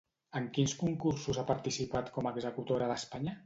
En quins concursos ha participat com a executora d'Espanya?